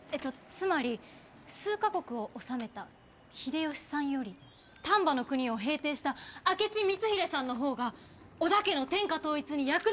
つまり数か国をおさめた秀吉さんより丹波国を平定した明智光秀さんのほうが織田家の天下統一に役立つ働きであった！